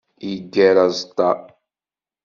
Yeggar aẓeṭṭa.